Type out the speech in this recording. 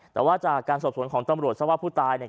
แต่ว่าจากการสอบสวนของตำรวจทราบว่าผู้ตายเนี่ย